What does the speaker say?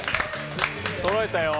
そろえたよ。